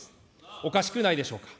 おかしくないでしょうか。